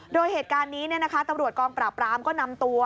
โดยเหตุการณ์นี้ตำรวจกองปราบรามก็นำตัว